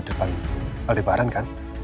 dari aldebaran kan